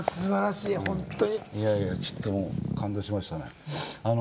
いやいやちょっともう感動しましたね。